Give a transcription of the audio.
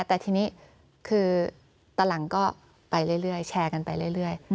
แต่ทีนี้คือตอนหลังก็ไปเรื่อยแชร์กันไปเรื่อย